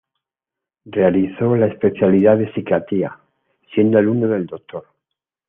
Realizó la especialidad de Psiquiatría, siendo alumno del Dr.